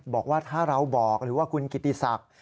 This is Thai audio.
บอกว่าถ้าเราบอกหรือว่าคุณกิติศักดิ์